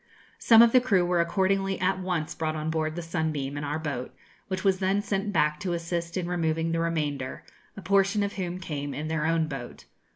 Some of the crew were accordingly at once brought on board the 'Sunbeam,' in our boat, which was then sent back to assist in removing the remainder, a portion of whom came in their own boat.